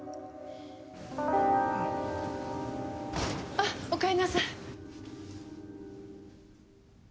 あっおかえりなさい。